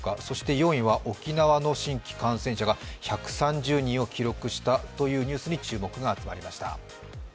そして４位は沖縄の新規感染者が１３０人を記録したというニュースに注目が集まりました。